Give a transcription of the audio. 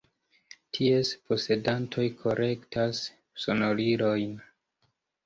Ties posedantoj kolektas sonorilojn.